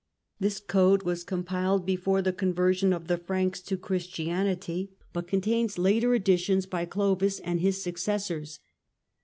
This code was compiled before the conversion of the Franks to Christianity, but contains later additions by Clovis and his successors.